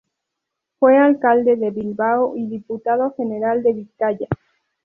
Fue alcalde de Bilbao y Diputado General de Vizcaya.